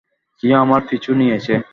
কেউ আমার পিছু নিয়েছে।